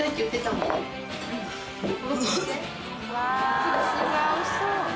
うわおいしそう。